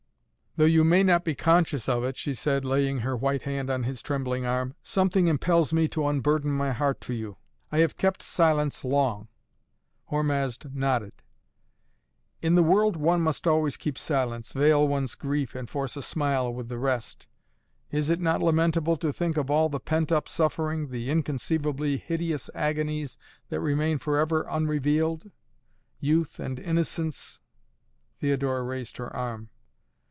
"Though you may not be conscious of it," she said, laying her white hand on his trembling arm, "something impels me to unburden my heart to you. I have kept silence long." Hormazd nodded. "In the world one must always keep silence, veil one's grief and force a smile with the rest. Is it not lamentable to think of all the pent up suffering, the inconceivably hideous agonies that remain forever unrevealed? Youth and innocence " Theodora raised her arm.